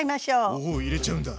もう入れちゃうんだ！